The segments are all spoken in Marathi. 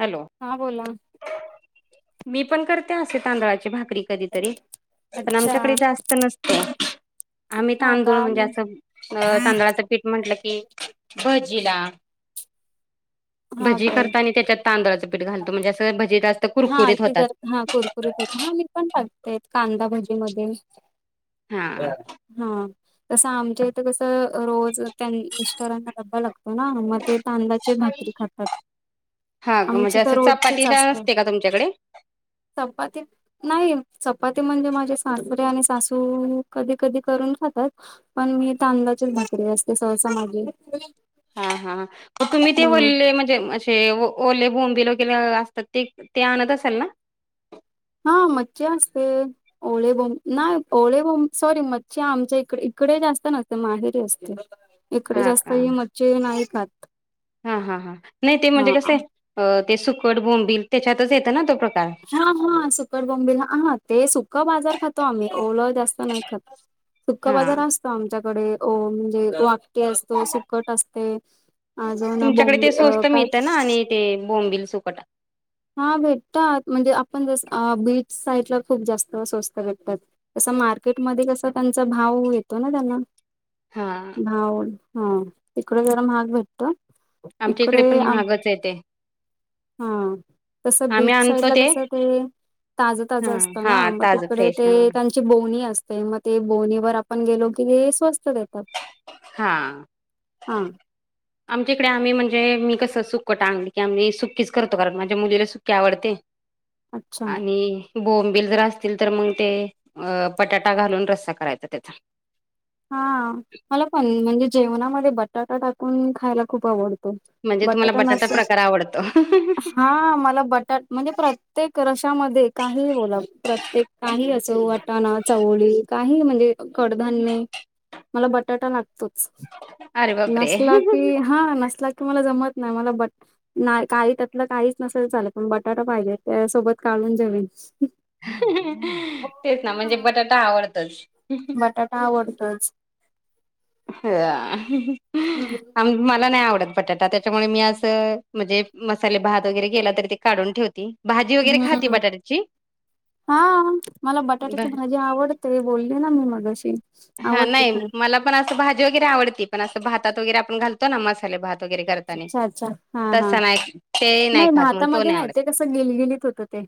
हॅलो हा बोला. मी पण करते असे तांदळाची भाकरी. कधीतरी पण अच्छा आमच्याकडे जास्त नसत. आम्ही हो का तांदूळ म्हणजे असं तांदुळाचं पीठ म्हंटलं की भजीला हा भजी काय करताना त्याच्यात तांदळाचं पीठ घालतो म्हणजें भाजीला असा. हा त ज हा कुरकुरीत होता मी पण टगतेय कांदा भजी म हा [unintelligible] हम. तसं आमच्या इथ कस रोज तेन मिषरांना ब्बा लागतो ना मग ते तांदा हा आमची म्हणजे तर असं रोजचीच चपाती असते का तुमच्याकडे. संपती. नाही चपाती म्हणजे माझे सातपरे आणि सासू कधी कधी करून खातात. पण मी तांददाळाचीच भाकरी असते सहसा माझी हा हा तुम्ही ते हम्म बोलले म्हणजे े ओले बोंब वगैरे असतात ते ते आणत असाल ना हा मज्जा असते. ओळेबोम नाही ओळेबोंब सॉरी मच्छी आमच्या इकडे इकडे जास्त नसते माहेरी असते. इकडे हा जास्त का ही मज्जे नाही खातं. हा हा हा नाही ते म्हणजे कस आहे ते सुकट बोंबिल त्याच्यातच येतं ना तो प्र हा हा सुकट बोंबी हा ते सुक बाजार खातो आम्ही ओलं जास्त नाही खातो. सुक्का हा बाजार असतो आमच्याकडे म्हणजे वाकटे असतो सुकट असते. अजो ना तुमच्याकडे ते बॉम्बे अ स्वस्त काय मिळतं ना आणि ते बोंबिल सुकटा हा भेटतात म्हणजे आपण जस बीच साईडला खूप जास्त स्वस्त भेटतात. तस मार्केटमध्येध्ये कसा त्यांचा भाव येतो ना त्यांना हा भाऊ हा तिकड जरा महाग भेटत. आमच्या इकडे पण आम महागच आहे ते हा. तस आम्ही बीच साईड आणतो ला कस ते ताज हा ताजं असतं हा ना मग ताजं तिकडे फ्रेश ते हा त्यां बोणी असते मग ते बोनीवर आपण गेलो की स्वस्त देतात. हा. हा आमच्या इकडे आम्ही म्हणजे मी कसं सुक् टांगली की आम्ही सुक्कीच करतो कारण माझ्या मुलीला सुकी आवडते. अच्छा आणि बोंबिल जर असतील तर मग ते पटाटा घालून रस्सा करायचा त्याचा हा मला पण म्हणजे जेवणामध्ये बटाटा टाकून खायला खूप आवडत. म्हणजे तुम्हाला बटाटा न प्रकार आवडतो हा मला बटा म्हणजे प्रत्येक रशामध्ये काही बोला प्रत्येक काही असं वाटाणा चवळी काही म्हणजे कडधान्य मला बटाटा लागतोच अरे बापरे नसला की हा नसला की मला जमत. ना मला बट नाही काही त्यातलं काहीच नसेल चाल पण बटाटा पाहिजे त्या सोबत काढून जवेन. तेच ना म्हणजे बटाटा आवडतच. बटाटा आवडतच. ह हम्म मला नाही आवडत बटाटा त्याच्यामुळे मी असं म्हणजे मसाले भात वगैरे केला तरी ते काढून ठेवती. भाजी वगैरे खाती हम्म बटाट्याची हा मला ब बटाट्याची मजा आवडत. ते बोलली ना मी मगाशी हा आवडते खूप नाही मला पण असं भाजी वगैरे आवडती पण असं भातात वगैरे आपण घालतो ना मसाले भात वगैरे करताना अच्छा अच्छा हा हा तस नाही. ते नाही खात म्ह तो भातामध्ये नाही एवडे ते कसं गिलगिलीत होतं ते.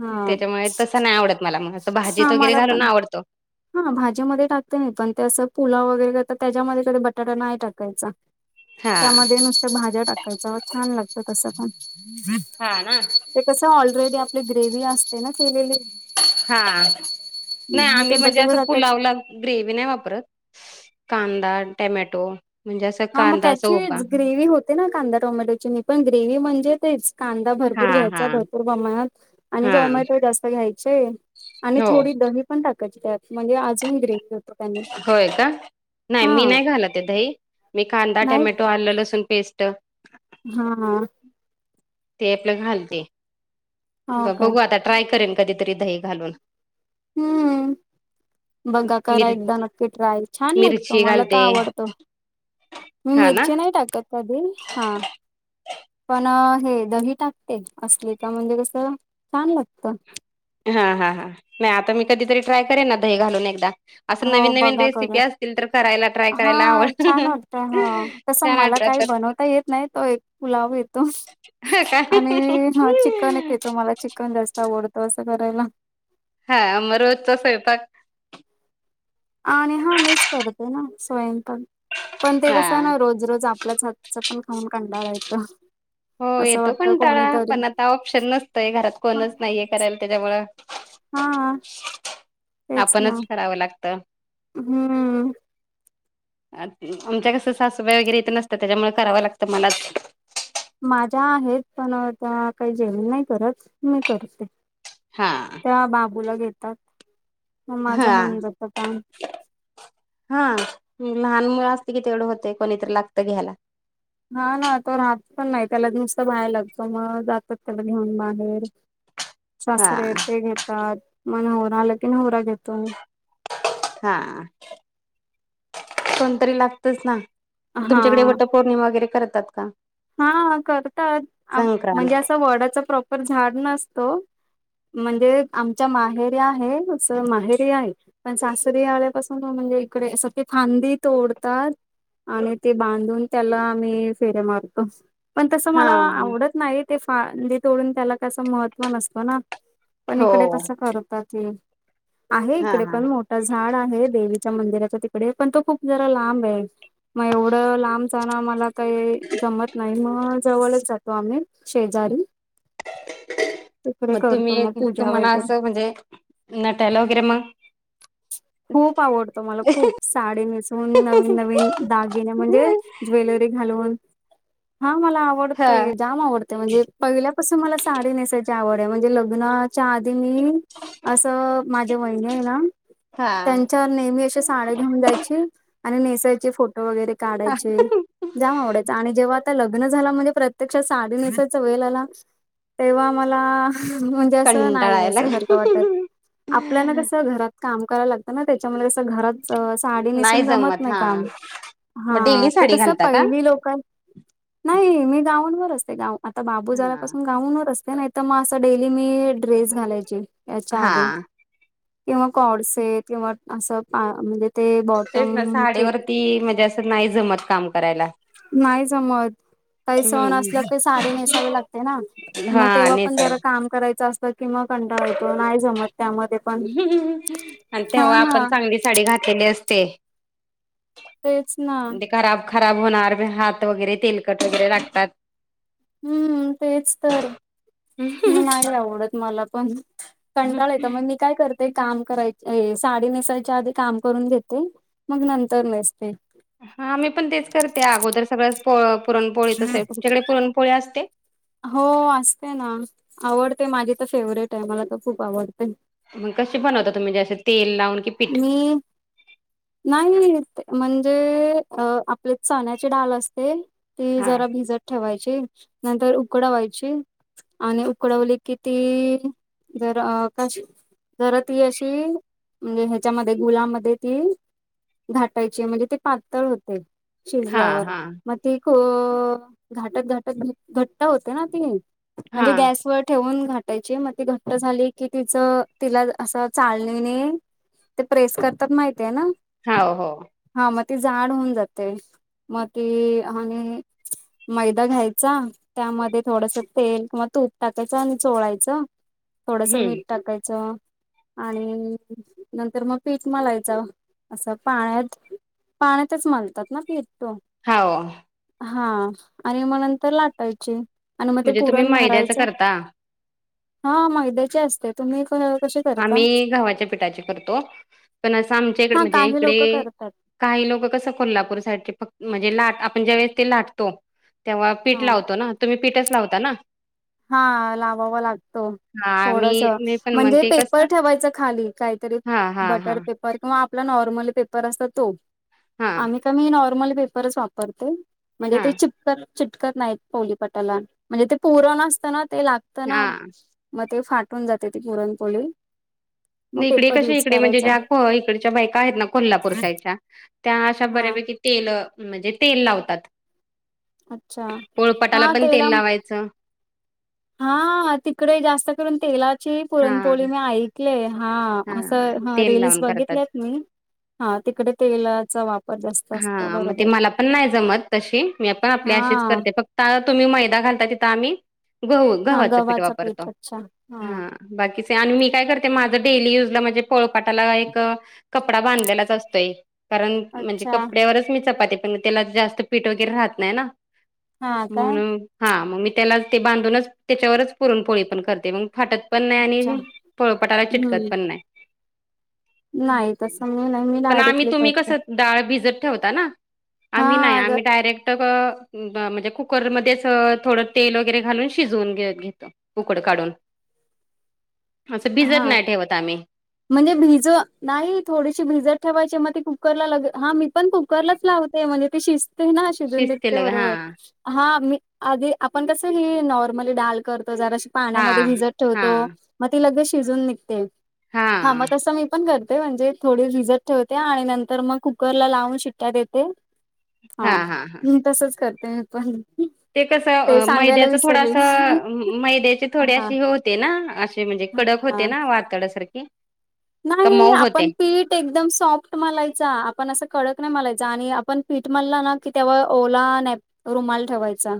हा त्याच्यामुळे तसं नाही आवडत मला अस भाजीत हा वगैरे मला घालून पण आवडतो. हा भाजीमध्ये टाकते नाही पण ते असं पुला वगैरे करत त्याच्यामध्ये कधी बटाटा नाही टाकायचा. हा त्यामध्ये नुसत्या भाज्या टाकायचं छान लागत तस प हा ना ते कसं ऑलरेडी आपली ग्रेवही असते ना केलेली. हा नाही मग ते आम्ही म्हणजे बटाटा असं टाकायची पुलावला. ग्रेवी नाही वापरत कांदा टमॅटो म्हणजे असं हा मग कांदा असं उभा त्याचीच ग्रेव होते ना कांदा टोमॅटोची म पण ग्रेव् म्हणजे तेच कांदा हा भरपूर हा घ्यायचा भरपूर प्रमाणत आणि हा टोमॅटो जास्त घ्यायचे. आणि हो थोडी दही पण टाकायची त्यात म्हणजे अजून ग्रे होय का नाही मी नाही घालत दही मी कांदा नाही टमॅटो आलं लसून पेस्ट ट. [unintelligible] हा. ते आपलं घालते हो काय बघू आता ट्राय करेन कधीतरी दही घालून. हम्म. बघा करा मिर एकदा नक्की ट्राय छान लागतो मिरची मला तर घालते आवडतो. मी हा ना मिरची नाही टाकत कधी हा. पण हे दही टाकते असली का म्हणजे कसं छान लागत. हा हा हा नाही आता मी कधीतरी ट्राय करे ना दही घालून एकदा असं हो नवीन नवीन बघा रेसिपी करून असतील तर करायला ट्राय करायला हा आवड छान वाटतं हा [unintelligible] तसं मला काही बनवता येत नाही तो एक पुलाव येतो हा काय? आणि चिकन एक येत तुम्हाला चिकन जास्त आवडतं असं करायला. हा म रोजचा स्वयंपाक आणि हा मीच करते ना स्वयंपण पण ते हा. कसं ना रोज रोज आपल्याच हातच खाऊन खाऊन कंटाळा येतो. हो असं येतो वाटतं कंटाळा कोणीतरी पण आता ऑप्शन नसतय घरात हा कोणच नाहीये नाहीच करायला त्याच्यामुळं हा तेच ना आपणच करावं लागतं. हम्म. आमच्या कसं सासबाई वगैरे येत नसतं त्याच्यामुळे करावं लागतं मलाच. माझ्या आहेत पण त्या काही जेवण नाही करत मी करते. हा. त्या बाबूला घेतात म माझा हा हुन जात काम. हा लहान मुल असते की तेवढं होते कोणीतरी लागतं घ्यायला. हा ना तो राहत पण नाही त्याला नुसतं बायर लागतो मग जातात त्याला घेऊन बाहेर हा सासरे ते घेतात म नवरा आला की नवरा घेतो. हा कोणतरी लागतच ना. हा तुमच्याकडे वटपौर्णिमा वगैरे करतात का. हा करतात आम म्हणजे संक्रांत असं वडाच प्रॉपर झाड नसतो म्हणजे आमच्या माहेरी आहे तस माहेरी आहे. पण सासरी आल्यापासून त म्हणजे इकडे अस ती फांदी तोडतात आणि ते बांधून त्याला आम्ही फेऱ्या मारतो पण तसं हा मला आवडत नाही ते फांदे तोडून त्याला कसं महत्व नसतं ना पण हो इकडे तसं करतात. ते आहे हा इकडे हा पण मोठ ठ झाड आहे देवीच्या मंदिराचा तिकडे पण तो खूप जरा लांब आहे. मग एवढ लांब जान मला काही जमत नाही मग जवळच जातो आम्ही शेजारी तिकडे मग करतो तुम्ही मग पूजा तुम्हाला वगैरे असं म्हणजे नटायला वगैरे मग खूप आवडतो मला खूप. साडी नेसून नवीन नवीन दागिने म्हणजे ज्वेलरी घालून हा मला हा आवडतंय जाम आवडतय म्हणजे पहिल्यापासून मला साडी नेसायची आवड आहे म्हणजे लग्नात च्या आधी मी अस माझ वहिन आहे ना हा त्यांच्या नेहमी अशे साड्या घेऊन जायची आणि नेसायचे फोटो वगैरे हा काढायचे जाम आवडायच आणि जेव्हा लग्न झाला म्हणजे प्रत्यक्ष साडी नेसायचा वेल आला तेव्हा मला म्हणजे असं नाही कंटाळायला नेसा सारखं वाटत. आपल्याना कसं घरात काम कराय लागतं ना त्याच्यामुळे कसं घरात च साडी नाही नेसून जमत नाही हा काम मग हा डेली ते साडी कस घालता का पहिली लोकां नाही मी गाऊन वर असते गाऊन आता बाबू हा झाल्यापासून गाऊन वर असते नाही तर मग असं डेली मी ड्रेस घालायची याच्या हा आधी किंवा कॉड से किंवा असं म्हणजे ते तेच ना बॉटमचे साडेवरती म्हणजे असं नाही जमत काम करायला का हम्म स साडी नेसावी लागते ना हा मग तेव्हा पण ज नेसायला काम करायचं असतं किंवा कंटाळो आणि हा तेव्हा ना आपण चांगलीच साडी घातली असते तेच ना म्हे खराब खराब होणार हात वगैरे तेलकट वगैरे लागतात हम्म तेच तर मी नाही आवडत मला पण कंटाळ येत मग मी काय करत ते काम कराय साडी नेसायच्या आधी काम करून घेते मग नंतर नेसते हा मी पण तेच करते अगोदर सगळ्याो पुरणपोळीचे तुमच्याकडे पुरणपोळी असते हो असते ना आवडते माझी तर फेवरेट आहे मला तर खूप आवडते मग कसे बनवता तुम्ही जसे तेल लावून कि पीठ? मी नाही म्हणजे अ आपले चण्याची डाल असते ते हा जरा भिजत ठेवायचे नंतर उकडावायचे आणि उकडवली की ती जरा का जरा ती अशी म्हणजे ह्याच्यामध्ये गुलामध्ये ती घाटायची म्हणजे ते पातळ होते हा शिजल्यावर हा म त ख घाटक घाटत घ घट्ट होते ना ती हा म्हणजे गॅस ववर ठेवून घ घायची मग ती घट्ट झाली की तिचं तिला अस चालणी नाही ते प्रेस करतात माहिित आहे ना हो हो हा मग ती झाड होऊन जाते मग ती आणि मैदा घ्यायचा त्यामध्ये थोडस तेल किंवा तूप टाकायचं आणि चोळायचं थोडस मीठ हम्म टाकायचं आणि नंतर मग पीठ मलायचं असं पाण्यात पाण्यात तेच मलतात ना पीर तो होा हा आणि मग नंतर लाटायचे आणि मग ते म्हणजे तुम्ही पुरण मैद्याच भारायचं करता हा मैद्याची असते तुम्ही कसे करता आम्ही गावाच्या पिठाचे करतो पण असं आमच्या इकडे हा म्हणजे काही लोक इकडे करतात काही लोक कसं कोल्हापूर साईडचे फक्त म्हणजे लाट आपण ज्यावेेळेस ते लाटतो तेव्हा पीठ हा लावतो ना तुम्ही पीठच लावता ना हा लावावा लागतो हा मी थोडस मी पण म्हणजे म्हणते पे पर कसं ठेवायच खाली काहीतरी हा हा हा बटर पेपर किंवा आपला नॉर्मल पेपर असत तो हा आम्ही का म नॉर्मल पेपर वापरते म्हणजे हा ते चिटकत नाहीत पौलीपटाला म्हणजे ते पुरण असतं ना ते लागतं ना हा मग ते फाटून जाते ती पुरणपोळी मग इकडे पेपर कसे युज इकडे म्हणजे करायचा ज्या इकडच्या बायका आहेत ना कोल्हापूर शाच्या त्या अशा हा बऱ्यापैकी तेल म्हणजे तेल लावतात अच्छा पोळपटाला हा पण तेल तेला लावायचं हा तिकडे जास्त करून तेलाची हा पुरणपोळी मी आहे हा अस तेल रेल्स लावून करतात बघितलेत मी हा तिकडे तेलाचा वाप हा मग ते मला पण नाही जमत तशी मी पण आपल्या अशीच हा करते फक्त तुम्ही मैदा घालता तिथं आम्ही ग हा गव्हाचं पीठ गव्हाचा वापरतो अच्छा हा बाकीचे आणि मी काय करते माझं डेली युजला म्हणजे पोळपाटाला एक कपडा बांधलेलाच असतोय कारण म्हणजे अच्छा च मी चपाती पण त्याला जास्त पीठ वगैरे राहत नाही ना हा काय म्हणून हा मग मी त्याला ते बांधूनच त्याच्यावरच पुरणपोळी पण करते मग फाटत पण नाही अच्छा आणि फोळोपटाला चिटकत हम्म पण नाही नाही तसं मी नाही मी पण आम्ही डायरेक्टली तुम्ही करते कस डाळ भिजत ठेवता ना हा आम्ही नाही ग आम्ही डायरेक्ट म्हणजे कुकरमध्येध्येच थोडं तेल वगैरे घालून शिजवून घेत उकडं काढून [unintelligible] असं भिजत हा नाही ठेवत आम्ही म्हणजे भिज नाही थोडीशी भिजत ठेवायची मग कुकरला लग हा मी पण क कुकरलाच लावते म्हणजे ते शिजते ना शिजून शिजते देतते लगे हा बरोबर हा मी आधी आपण कसं ह नॉर्मली डाल करतो जरा हा पाण्यामध्ये भिजत हा ठेवतो मग ती लगे शिजून निघते हा मग तसं मी पण करते म्हणजे थोडी भिजत ठेवते आणि नंतर मग कुकरला लावून शिट्टया देते हा मी तसच करते पण ते ते कसं सांगायला मैद्याचं विसरले. थोडसं मैद्याचे थोडे हा अशी हे होते ना जे म्हणजे कडक होते हा ना वातडासारखे नाही आपण पीठ ते एकदम सॉफ्ट मलायचा आपण असं कडक नाही मलायचा आणि आपण पीठ मारला ना की तेव ओला नप रुमाल ठेवायचा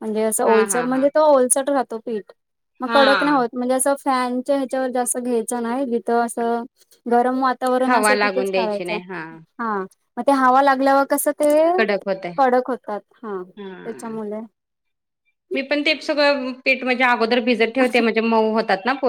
म्हणजे असं हा हा ओलचड हा म्हणजे तो ओलचड राहतो पीठ मग कडक हा नाही होत म्हणजे असं फॅनच्या ह्याच्यावर जास्त घ्यायचा नाही तर असं गरम वातावरण हवा असे तिथेच लागून द्यायची खावायच नाही हा हा मग ते हवा लागल्यावर कसं ते कडक होतय कडक होतात हा हा त्याच्यामुळे मी पण ते सगळं पेट म्हणजे अगोदर भिजत ठेवते म्हणजे मऊ होतात ना पोहे